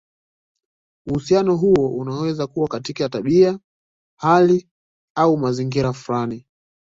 Uhusiano huo unaweza kuwa katika tabia, hali, au mazingira fulani.